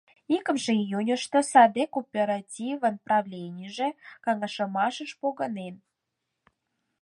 Икымше июньышто саде кооперативын правленийже каҥашымашыш погынен.